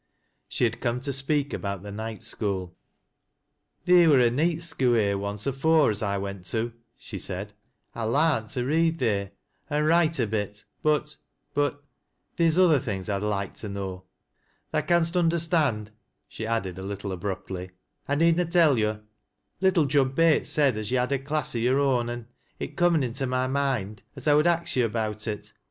She had come to speak aboui the night school. " Theer wur a neet skoo here snce afor£ as I went to," she said ;' I larnt to read theer an' write a bit, but— but JOAN AND THE PICTURE. 103 theer's other things I'd loike to know. Tha canst under stand," she added a little abruptly, " I need na tell yo. Little Jud Bates said as yo' had a class o' yore own, an' it comn into my moind as I would ax yo' about it.